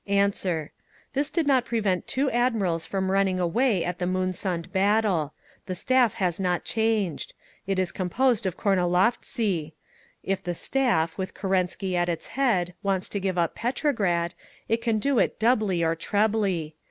"Answer: This did not prevent two admirals from running away at the Moonsund battle. The Staff has not changed; it is composed of Kornilovtsi. If the Staff, with Kerensky at its head, wants to give up Petrograd, it can do it doubly or trebly.